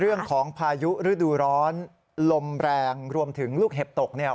พายุฤดูร้อนลมแรงรวมถึงลูกเห็บตกเนี่ย